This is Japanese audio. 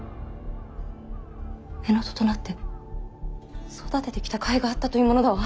乳母父となって育ててきた甲斐があったというものだわ。